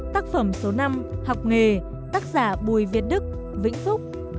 tác phẩm số năm học nghề tác giả bùi việt đức vĩnh phúc